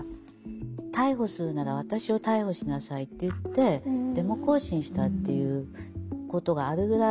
逮捕するなら私を逮捕しなさいって言ってデモ行進したっていうことがあるぐらい。